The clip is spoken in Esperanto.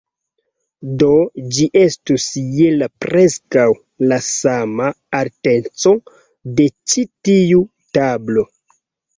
Do, ĝi estus je la preskaŭ la sama alteco de ĉi tiu tablo